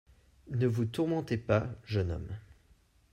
Ne vous tourmentez pas, jeune homme.